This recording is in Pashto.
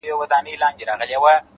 کوچني ګامونه لوی منزل ته رسېږي.